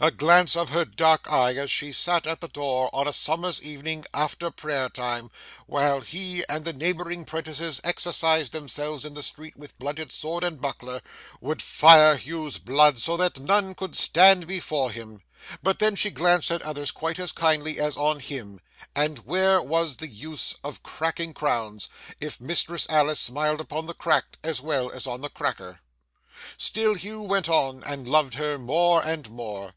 A glance of her dark eye as she sat at the door on a summer's evening after prayer time, while he and the neighbouring 'prentices exercised themselves in the street with blunted sword and buckler, would fire Hugh's blood so that none could stand before him; but then she glanced at others quite as kindly as on him, and where was the use of cracking crowns if Mistress Alice smiled upon the cracked as well as on the cracker? Still Hugh went on, and loved her more and more.